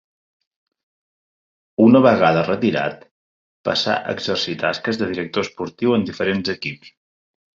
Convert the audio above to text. Una vegada retirat passà a exercir tasques de director esportiu en diferents equips.